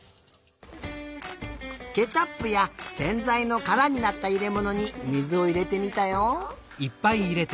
ケチャップやせんざいのからになったいれものに水をいれてみたよ。